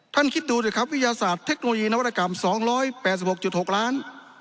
คิดดูสิครับวิทยาศาสตร์เทคโนโลยีนวัตกรรม๒๘๖๖ล้าน